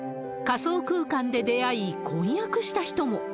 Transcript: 仮想空間で出会い、婚約した人も。